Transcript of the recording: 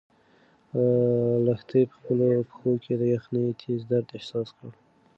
لښتې په خپلو پښو کې د یخنۍ تېز درد احساس کړ.